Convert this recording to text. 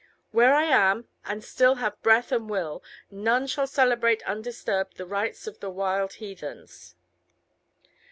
Where I am, and still have breath and will, none shall celebrate undisturbed the rites of the wild heathens."